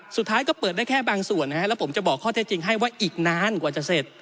สุดท้ายก็เปิดได้แค่บางส่วนนะฮะแล้วผมจะบอกข้อเท็จจริงให้ว่าอีกนานกว่าจะเสร็จ